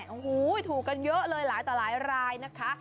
โอ้โหถูกกันเยอะเลยหลายต่อหลายรายนะคะ